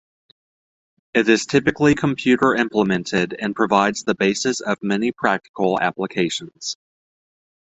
It is typically computer-implemented, and provides the basis of many practical applications.